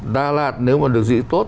đà lạt nếu mà được giữ tốt